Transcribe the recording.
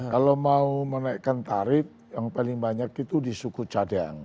kalau mau menaikkan tarif yang paling banyak itu di suku cadang